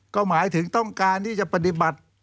ก็หมายถึงต้องการที่จะปฏิบัติ